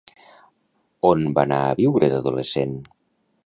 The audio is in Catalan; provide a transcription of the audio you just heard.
On va anar a viure d'adolescent?